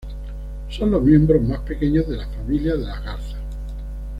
Son los miembros más pequeños de la familia de las garzas.